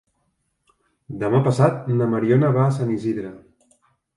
Demà passat na Mariona va a Sant Isidre.